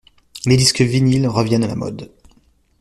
Les disques vynils reviennent à la mode.